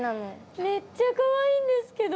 めっちゃかわいいんですけど。